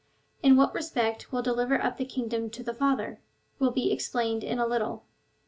In what respect Christ will deliver up the kingdom to the Father, will be explained in a little.